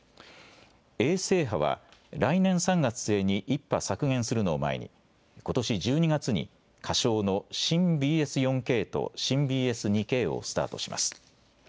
衛星波は来年３月末に１波削減するのを前にことし１２月に仮称の新ＢＳ４Ｋと新ＢＳ２Ｋをスタートします。